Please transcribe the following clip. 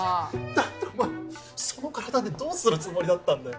だってお前その体でどうするつもりだったんだよ。